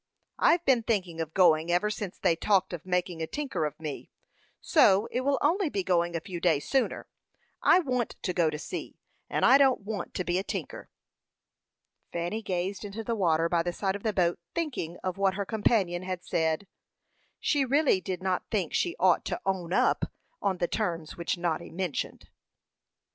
I've been thinking of going ever since they talked of making a tinker of me; so it will only be going a few days sooner. I want to go to sea, and I don't want to be a tinker." Fanny gazed into the water by the side of the boat, thinking of what her companion had said. She really did not think she ought to "own up," on the terms which Noddy mentioned.